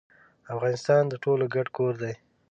افغانستان د ټولو ګډ کور دي.